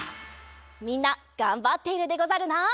みんながんばっているでござるな？